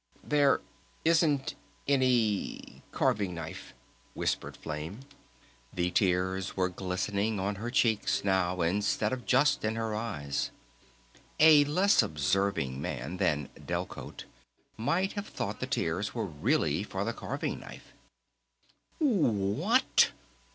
"There ... isn't any ... carving knife," whispered Flame. The tears were glistening on her cheeks now instead of just in her eyes. A less observing man than Delcote might have thought the tears were really for the carving knife. "What?